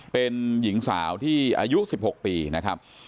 เป็นหญิงสาวที่อายุ๑๖ปีนะครับ